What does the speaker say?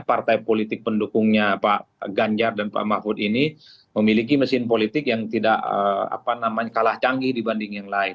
partai politik pendukungnya pak ganjar dan pak mahfud ini memiliki mesin politik yang tidak kalah canggih dibanding yang lain